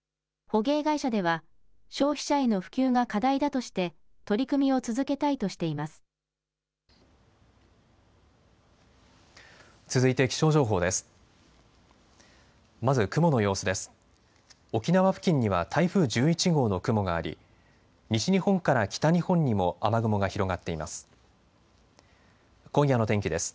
捕鯨会社では消費者への普及が課題だとして取り組みを続けたいとしています。